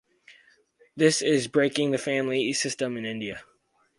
This is breaking the family system in India.